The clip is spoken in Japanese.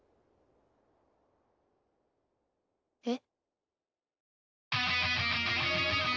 えっ？